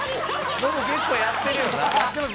ノブ、結構やってるよな。